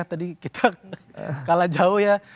tadi kita kalah jauh ya